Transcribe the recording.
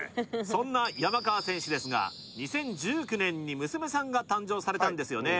そんな山川選手ですが２０１９年に娘さんが誕生されたんですよね